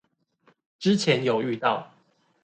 之前有遇到